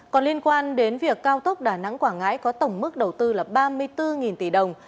còn liên quan đến việc cao tốc đà nẵng quảng ngãi có tổng mức đầu tư là ba mươi bốn tỷ đồng